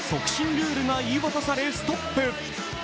ルールが言い渡されストップ。